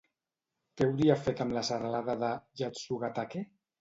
Què hauria fet amb la serralada de Yatsugatake?